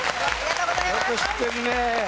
よく知ってるねえ。